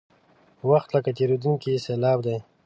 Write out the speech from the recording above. وخت لکه تېرېدونکې سیلاب دی.